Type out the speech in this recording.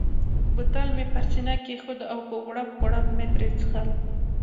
بوتل مې پر سینه کښېښود او په غوړپ غوړپ مې ترې څښل.